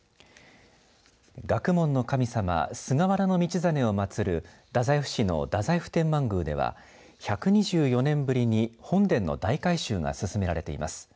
学問の神様、菅原道真を祭る太宰府市の太宰府天満宮では１２４年ぶりに本殿の大改修が進められています。